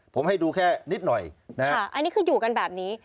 ผมให้ดูแค่นิดหน่อยนะฮะอันนี้คืออยู่กันแบบนี้